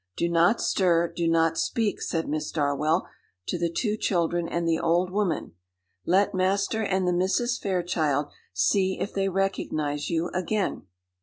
"Do not stir, do not speak," said Miss Darwell, to the two children and the old woman; "let Master and the Misses Fairchild see if they recognise you again."